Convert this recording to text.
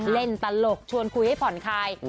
เล่นตลกชวนคุยให้ผ่อนคาย